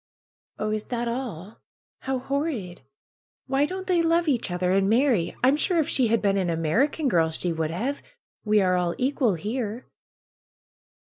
^^Oh, is that all ? How horrid ! Why don't they love each other and marry? I'm sure if she had been an American girl she would have. We are all equal here."